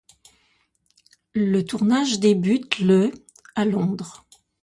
Le tournage débute le à Londres.